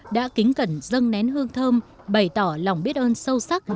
đã kính cẩn dâng nén hương thơm bày tỏ lòng biết ơn sâu sắc